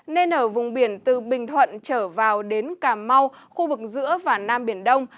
nên ở vùng biển từ bình thuận trở vào đến cà mau khu vực giữa và nam biển đông